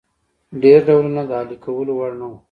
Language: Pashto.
ډېر ډولونه د اهلي کولو وړ نه وو.